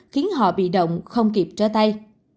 khiến họ bị động không kịp trở tay